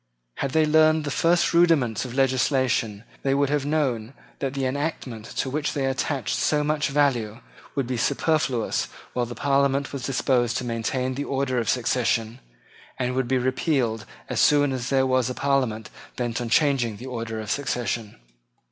Had they learned the first rudiments of legislation, they would have known that the enactment to which they attached so much value would be superfluous while the Parliament was disposed to maintain the order of succession, and would be repealed as soon as there was a Parliament bent on changing the order of succession.